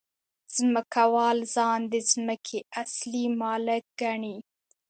ځمکوال ځان د ځمکې اصلي مالک ګڼي